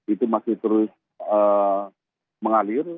itu masih terus mengalir